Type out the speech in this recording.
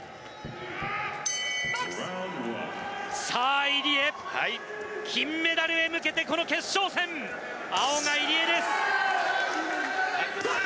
さあ、入江金メダルへ向けてこの決勝戦青が入江です。